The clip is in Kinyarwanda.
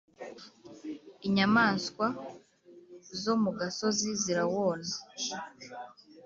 Inyamaswa zo mu gasozi zirawona